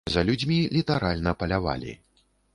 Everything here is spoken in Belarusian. За людзьмі літаральна палявалі.